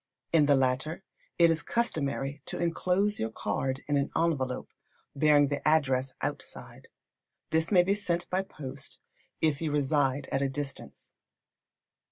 In the latter, it is customary to enclose your card in an envelope, bearing the address outside. This may be sent by post, if you reside at a distance.